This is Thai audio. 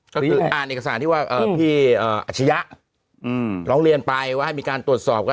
ก็คืออ่านเอกสารที่ว่าพี่อัชยะร้องเรียนไปว่าให้มีการตรวจสอบกัน